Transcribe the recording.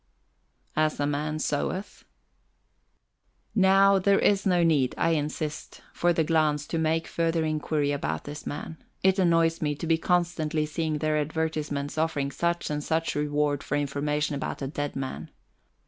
As a man soweth... Now, there is no need, I insist, for the Glahns to make further inquiry about this man. It annoys me to be constantly seeing their advertisements offering such and such reward for information about a dead man.